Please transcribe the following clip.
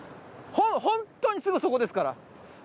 本当にすぐそこですから。